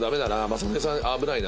雅紀さん危ないな。